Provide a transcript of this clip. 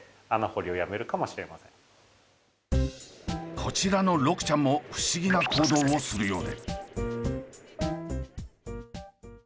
こちらのロクちゃんも不思議な行動をするようで。